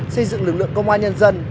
xây dựng lực lượng công an nhân dân